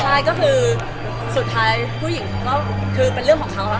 ใช่ก็คือสุดท้ายผู้หญิงก็คือเป็นเรื่องของเขา